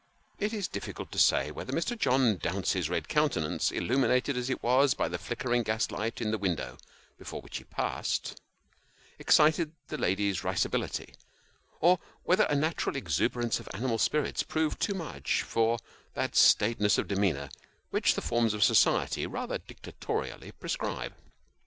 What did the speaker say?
It is difficult to say whether Mr. John Dounce's red countenance, illuminated as it was by the flickering gas light in the window before which he paused, excited the lady's risibility, or whether a natural exuberance of animal spirits proved too much for that staidness of demeanour which the forms of society rather dictatorially prescribe.